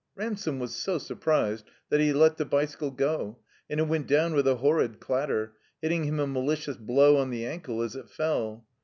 Ransome was so surprised that he let the bicycle go, and it went down with a horrid clatter, hitting him a malicious blow on the ankle as it fell.